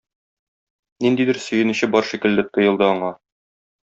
Ниндидер сөенече бар шикелле тоелды аңа.